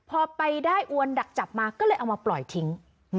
พอไปได้อวนดักจับมาก็เลยเอามาปล่อยทิ้ง